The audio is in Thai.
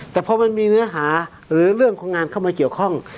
แต่พอมันมีเนื้อหาหรือเรื่องของงานเข้ามาเกี่ยวข้อง